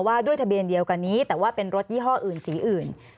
ว่าด้วยทะเบียนเดียวกันนี้แต่ว่าเป็นรถยี่ห้ออื่นสีอื่น